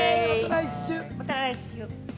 また来週！